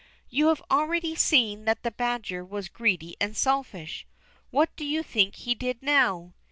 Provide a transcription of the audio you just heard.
You have seen already that the badger was greedy and selfish. What do you think he did now?